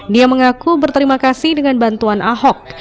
dia mengaku berterima kasih dengan bantuan ahok